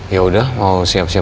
yaudah mau siap siap